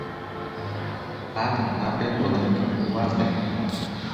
هاتم تا پێت بڵێم کە من واز دەهێنم.